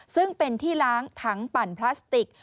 ซึ่งเป็นที่ล้างถังปั่นพลาสติก